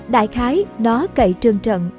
đại khái nó cậy trường trận